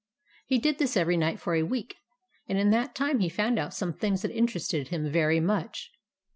He did this every night for a week, and in that time he found out some things that interested him very much.